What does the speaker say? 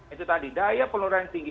itu tadi daya penularannya tinggi